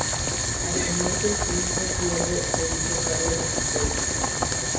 A su muerte, su hijo Pierre se hizo cargo de su puesto.